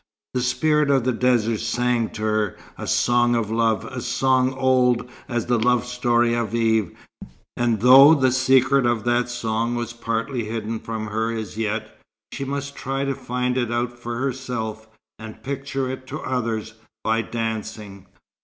The spirit of the desert sang to her, a song of love, a song old as the love story of Eve; and though the secret of that song was partly hidden from her as yet, she must try to find it out for herself, and picture it to others, by dancing.